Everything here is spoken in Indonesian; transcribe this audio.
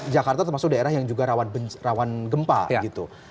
jakarta termasuk daerah yang juga rawan gempa gitu